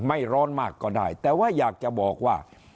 ร้อนมากก็ได้แต่ว่าอยากจะบอกว่า